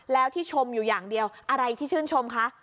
แล้วที่ชมอยู่อย่างเดียวอะไรที่ชื่นชมคะ